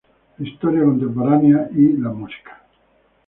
La historia contemporánea y la Música.